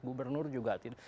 gubernur juga tidak